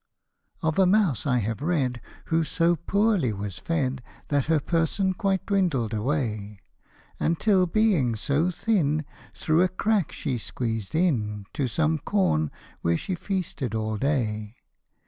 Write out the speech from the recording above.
OF a mouse I have read, who so poorly was fed, That her person quite dwindled aw*ay ; Until being so thin, through a crack $ie squeezed in To some corn, where she feasted aH day.